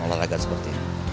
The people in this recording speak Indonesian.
alahkan seperti itu